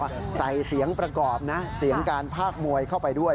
ใส่เสียงประกอบนะเสียงการพากมวยเข้าไปด้วย